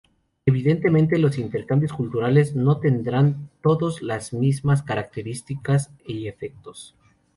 Evidentemente los intercambios culturales no tendrán todos las mismas características y efectos.